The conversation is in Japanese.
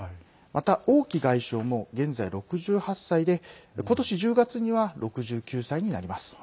また王毅外相も現在６８歳でことし１０月には６９歳になります。